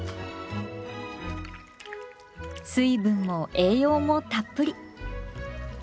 水分も栄養もたっぷり。